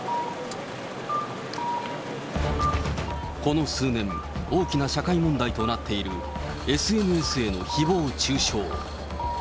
この数年、大きな社会問題となっているＳＮＳでのひぼう中傷。